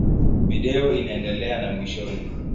Video inaendelea na mwishoni.